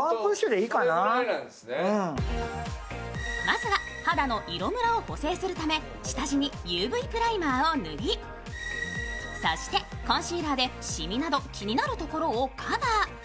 まずは肌の色ムラを補正するため下地にＵＶプライマーを塗りそしてコンシーラーで染みなど気になるところをカバー。